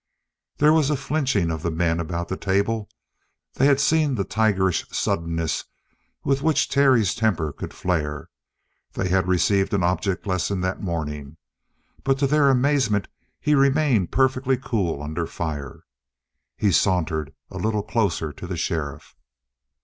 There was a flinching of the men about the table. They had seen the tigerish suddenness with which Terry's temper could flare they had received an object lesson that morning. But to their amazement he remained perfectly cool under fire. He sauntered a little closer to the sheriff.